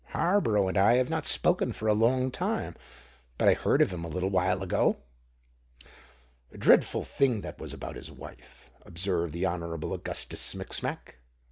"Harborough and I have not spoken for a long time; but I heard of him a little while ago." "A dreadful thing that was about his wife," observed the Honourable Augustus Smicksmack.